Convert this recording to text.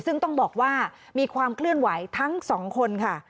ซึ่งต้องบอกว่ามีความเคลื่อนไหวทั้งสองคนค่ะ